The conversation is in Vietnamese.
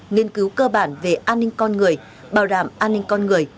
nghiên cứu cơ bản về an ninh con người bảo đảm an ninh con người